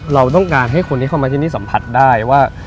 เราต้องการให้คนที่เข้ามาที่นี่สัมผัสได้ว่า